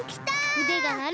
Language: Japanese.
うでがなる！